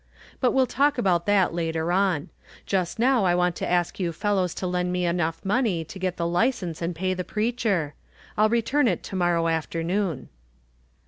But we'll talk about that later on. Just now I want to ask you fellows to lend me enough money to get the license and pay the preacher. I'll return it to morrow afternoon."